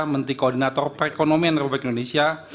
menteri koordinator perekonomian republik indonesia